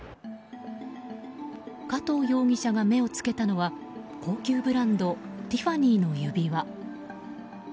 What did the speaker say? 加藤容疑者が目を付けたのは高級ブランドティファニーの指輪。